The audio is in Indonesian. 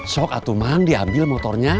sok atuman diambil motornya